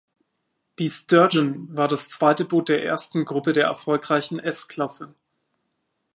Die "Sturgeon" war das zweite Boot der ersten Gruppe der erfolgreichen S-Klasse.